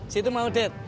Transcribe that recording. situ mau det